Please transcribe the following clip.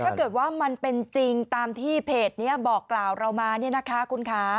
ถ้าเกิดว่ามันเป็นจริงตามที่เพจนี้บอกกล่าวเรามาเนี่ยนะคะคุณคะ